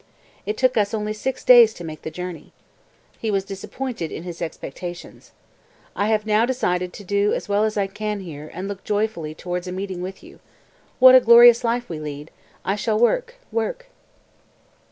"It took us only six days to make the journey." He was disappointed in his expectations. "I have now decided to do as well as I can here and look joyfully towards a meeting with you. What a glorious life we shall lead; I shall work work!")